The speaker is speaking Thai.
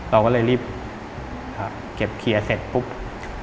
เราก็เลยรีบเก็บเคลียร์เสร็จปุ๊บ